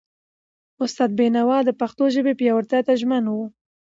استاد بینوا د پښتو ژبې پیاوړتیا ته ژمن و.